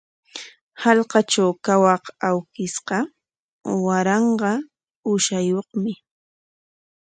Hallqatraw kawaq awkishqa waranqa uushayuqmi.